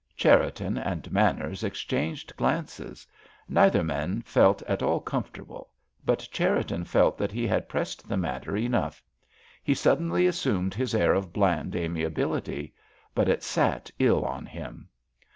Cherriton and Manners exchanged glances; neither man felt at all comfortable. But Cherriton felt that he had pressed the matter enough. He suddenly assumed his air of bland amiability, but it sat ill on him.